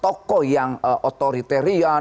toko yang authoritarian